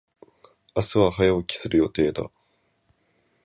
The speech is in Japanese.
明日は早起きする予定だ。